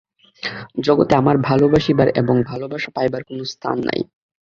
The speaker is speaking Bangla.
জগতে আমার ভালোবাসিবার এবং ভালোবাসা পাইবার কোনো স্থান নাই।